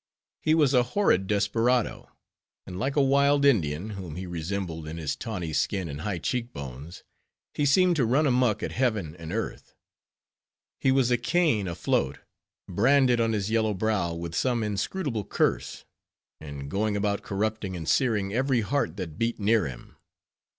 He was a horrid desperado; and like a wild Indian, whom he resembled in his tawny skin and high cheek bones, he seemed to run amuck at heaven and earth. He was a Cain afloat; branded on his yellow brow with some inscrutable curse; and going about corrupting and searing every heart that beat near him.